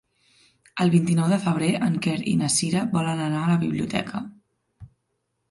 El vint-i-nou de febrer en Quer i na Cira volen anar a la biblioteca.